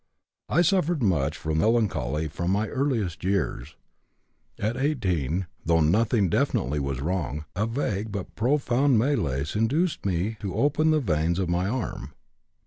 I suffered much from melancholy from my earliest years. At 18, though nothing definitely was wrong, a vague but profound malaise induced me to open the veins of my arm.